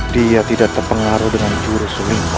dia tidak terpengaruh dengan jurus ini